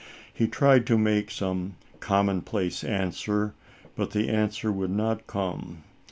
He tried to make some commonplace answer, but the answer would not come.